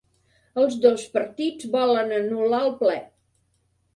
Els dos partits volen anul·lar el ple